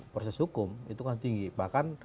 proses hukum itu kan tinggi bahkan